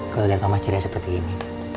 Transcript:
kalo liat mama ceria seperti ini